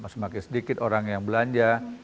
semakin sedikit orang yang belanja